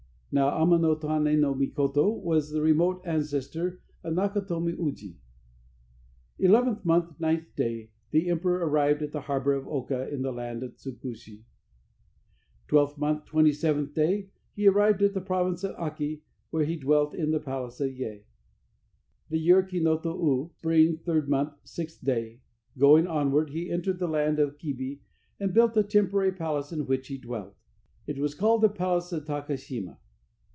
Now, Ama notane no Mikoto was the remote ancestor of the Nakatomi Uji. Eleventh month, 9th day. The emperor arrived at the harbor of Oka in the Land of Tsukushi. Twelfth month, 27th day. He arrived at the province of Aki, where he dwelt in the palace of Ye. The year Kinoto U, Spring, 3rd month, 6th day. Going onward, he entered the land of Kibi, and built a temporary palace in which he dwelt. It was called the palace of Takashima.